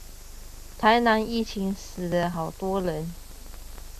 台南疫情死了好多人